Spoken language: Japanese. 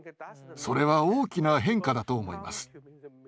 それは大きな変化だと思います。